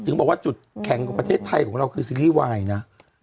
ถึงบอกว่าจุดแข็งของประเทศไทยของเราคือซีรีส์วายนะ